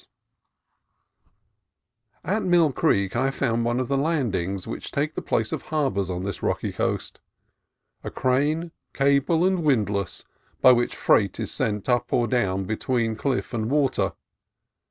TOOLS AND THE MAN 195 At Mill Creek I found one of the "landings" which take the place of harbors on this rocky coast, — a crane, cable, and windlass by which freight is sent up or down between cliff and water.